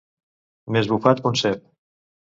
Més bufat que un cep.